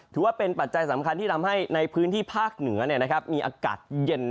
ปัจจัยสำคัญที่ทำให้ในพื้นที่ภาคเหนือมีอากาศเย็น